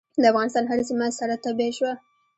د افغانستان هره سیمه سره تبۍ شوه.